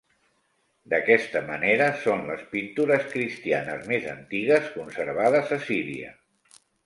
D'aquesta manera, són les pintures cristianes més antigues conservades a Síria.